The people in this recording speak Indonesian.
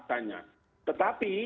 kita harus mengambil keputusan keputusan